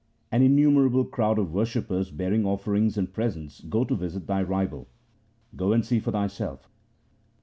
An innumerable crowd of worshippers bearing offer ings and presents go to visit thy rival. Go and see for thyself.